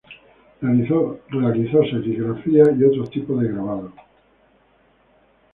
Realizó serigrafías y otros tipos de grabado.